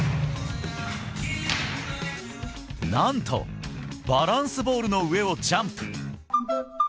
なんとバランスボールの上をジャンプ。